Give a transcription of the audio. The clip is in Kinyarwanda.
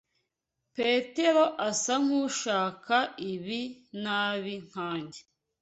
Petero asa nkushaka ibi nabi nkanjye.